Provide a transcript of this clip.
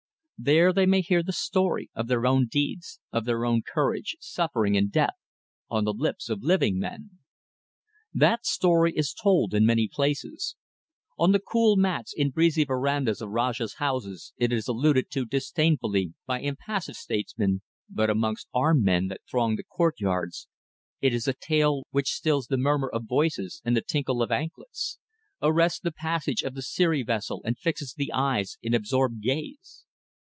There they may hear the story of their own deeds, of their own courage, suffering and death, on the lips of living men. That story is told in many places. On the cool mats in breezy verandahs of Rajahs' houses it is alluded to disdainfully by impassive statesmen, but amongst armed men that throng the courtyards it is a tale which stills the murmur of voices and the tinkle of anklets; arrests the passage of the siri vessel, and fixes the eyes in absorbed gaze.